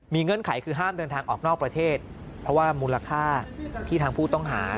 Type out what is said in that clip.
เงื่อนไขคือห้ามเดินทางออกนอกประเทศเพราะว่ามูลค่าที่ทางผู้ต้องหา